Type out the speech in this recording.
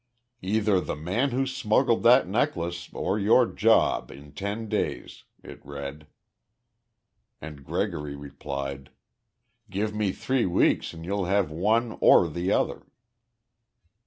"Either the man who smuggled that necklace or your job in ten days," it read. And Gregory replied, "Give me three weeks and you'll have one or the other."